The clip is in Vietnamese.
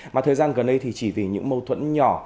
mà thời gian gần đây thì chỉ vì những mâu thuẫn nhỏ